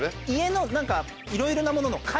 家の何かいろいろなものの。